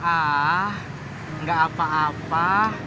ah enggak apa apa